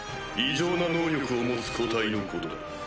異常な能力を持つ個体のことだ。